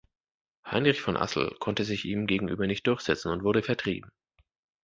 Heinrich von Assel konnte sich ihm gegenüber nicht durchsetzen und wurde vertrieben.